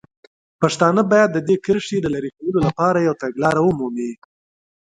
پښتانه باید د دې کرښې د لرې کولو لپاره یوه تګلاره ومومي.